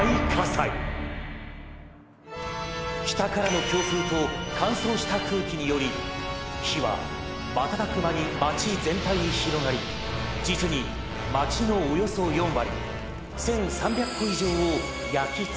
「北からの強風と乾燥した空気により火は瞬く間に町全体に広がり実に町のおよそ４割１，３００戸以上を焼き尽くしました。